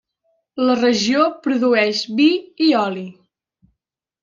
La regió produeix vi i oli.